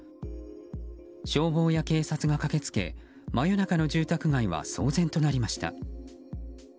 消防や警察が駆けつけ真夜中の住宅街は騒然となりました。